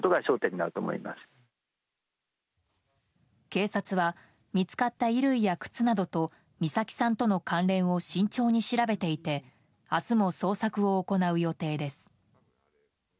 警察は見つかった衣類や靴などと美咲さんとの関連を慎重に調べていて明日も捜索を行う予定です。